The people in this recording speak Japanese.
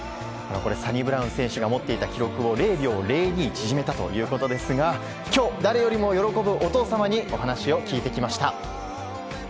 サニブラウン選手が持っていた記録を０秒０２縮めたということですが今日、誰よりも喜ぶお父様にお話を聞いてきました。